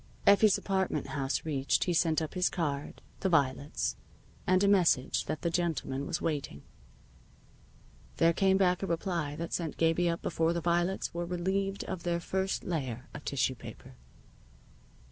Effie's apartment house reached, he sent up his card, the violets, and a message that the gentleman was waiting. There came back a reply that sent Gabie up before the violets were relieved of their first layer of tissue paper.